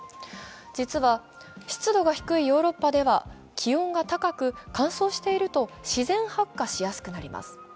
実は湿度が低いヨーロッパでは気温が高く乾燥していると自然発火しやすくなります。